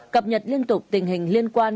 cập nhật liên tục tình hình liên quan